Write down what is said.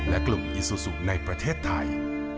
และกลุ่มอิซูซูในประเทศไทย